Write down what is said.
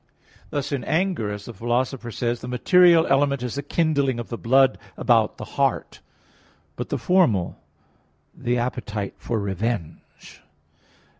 Thus in anger, as the Philosopher says (De Anima iii, 15, 63, 64), the material element is the kindling of the blood about the heart; but the formal, the appetite for revenge.